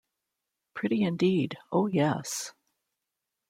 Pretty, indeed! Oh yes!